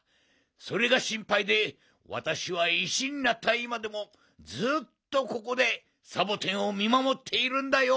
それがしんぱいでわたしは石になったいまでもずっとここでサボテンをみまもっているんだよ。